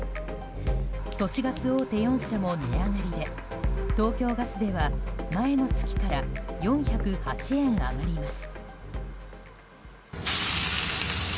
都市ガス大手４社も値上がりで東京ガスでは前の月から４０８円上がります。